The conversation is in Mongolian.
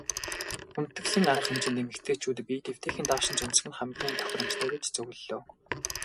Хүндэтгэлийн арга хэмжээнд эмэгтэйчүүд биед эвтэйхэн даашинз өмсөх нь хамгийн тохиромжтой гэж зөвлөлөө.